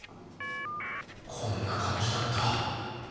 こんな感じだった。